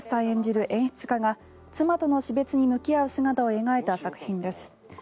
演じる演出家が妻との死別に向き合う姿を描いた作品です。